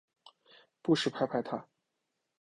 不时拍拍她